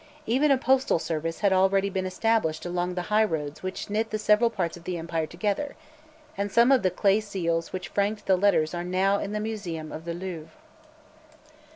Even a postal service had already been established along the high roads which knit the several parts of the empire together, and some of the clay seals which franked the letters are now in the Museum of the Louvre.